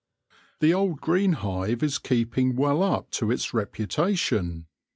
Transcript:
The old green hive is keeping well up to its reputation.